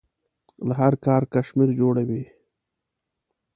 له هر کار کشمیر جوړوي.